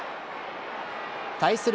対する